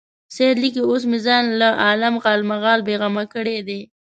سید لیکي اوس مې ځان له عالم غالمغال بېغمه کړی دی.